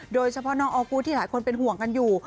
โดยเฉพาะน้องออกูธที่หลายคนเป็นห่วงกันอยู่